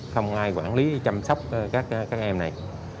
không ai quản lý chăm sóc các em này